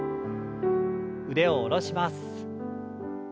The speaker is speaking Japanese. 腕を下ろします。